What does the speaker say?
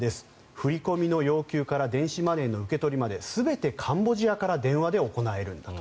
振り込みの要求から電子マネーの受け取りまで全てカンボジアから電話で行えるんだと。